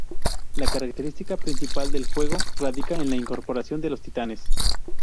La característica principal del juego radica en la incorporación de los titanes.